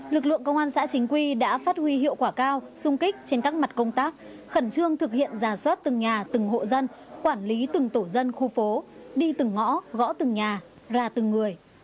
lực lượng công an xã chính quy đã phát huy hiệu quả cao sung kích trên các mặt công tác khẩn trương thực hiện giả soát từng nhà từng hộ dân quản lý từng tổ dân khu phố đi từng ngõ gõ từng nhà ra từng người